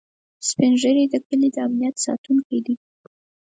سپین ږیری د کلي د امنيت ساتونکي دي